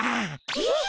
えっ？